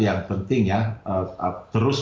yang penting ya terus